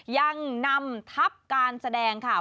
ยังนำทัพการแสดงค่ะ